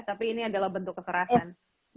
tapi ini adalah bentuk kekerasan